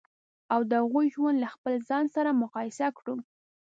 او د هغوی ژوند له خپل ځان سره مقایسه کړو.